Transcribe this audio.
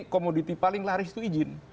komoditi paling laris itu izin